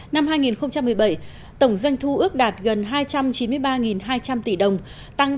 năm hai nghìn một mươi bảy tổng doanh thu ước đạt gần hai trăm chín mươi ba hai trăm linh tỷ đồng tăng tám chín mươi bốn